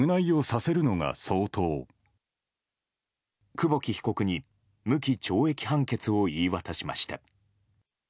久保木被告に無期懲役判決を言い渡しました。